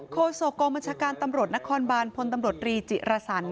โฆษกรมจากการตำรวจนครบานพลตำรวจรีจิรสัน